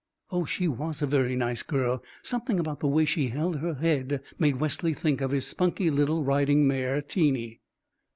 Oh, she was a very nice girl; something about the way she held her head made Wesley think of his spunky little riding mare, Teeny.